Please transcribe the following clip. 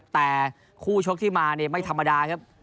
แต่คู่ชกที่มาไม่ธรรมดา